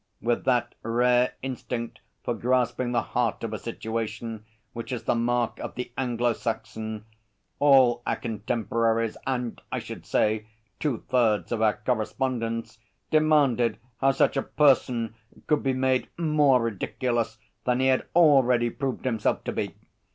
With that rare instinct for grasping the heart of a situation which is the mark of the Anglo Saxon, all our contemporaries and, I should say, two thirds of our correspondents demanded how such a person could be made more ridiculous than he had already proved himself to be.